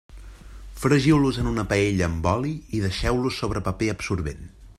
Fregiu-los en una paella amb oli i deixeu-los sobre paper absorbent.